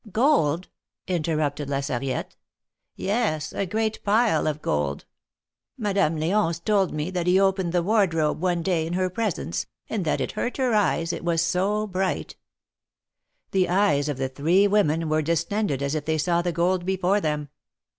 Gold ?" interrupted La Sarriette. Yes, a great pile of gold. Madame L^once told me that he opened the wardrobe one day in her presence, and that it hurt her eyes, it was so bright." The eyes of the three women were distended as if they saw the gold before them.